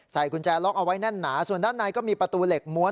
กุญแจล็อกเอาไว้แน่นหนาส่วนด้านในก็มีประตูเหล็กม้วน